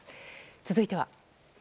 続いては。